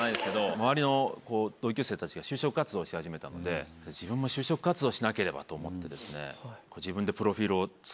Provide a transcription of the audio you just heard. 周りの同級生たちが就職活動し始めたので自分も就職活動しなければと思ってですね。